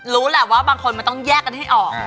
รู้แหละว่าบางคนมันต้องแยกกันให้ออก